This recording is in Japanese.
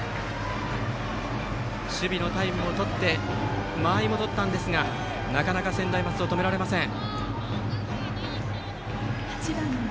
守備のタイムを取って間合いを取ったんですがなかなか専大松戸止められません。